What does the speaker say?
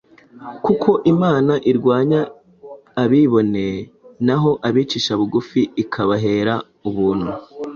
kuko imana irwanya abibone, naho abicisha bugufi ikabahera ubuntu.